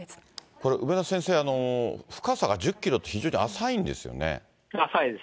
これ、梅田先生、深さが１０キロって、非常に浅いんですよね。